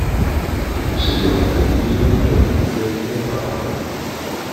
Insegnò a Treviso, a Venezia e a Padova.